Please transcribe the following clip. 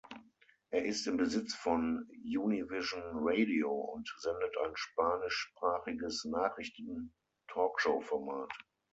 Er ist im Besitz von Univision Radio und sendet ein spanischsprachiges Nachrichten-Talkshow-Format.